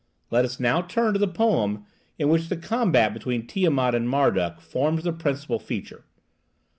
Let us now turn to the poem in which the combat between Tiamat and Marduk forms the principal feature.